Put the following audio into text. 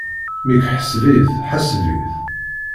Mmi-k ḥseb-it, ḥaseb-it!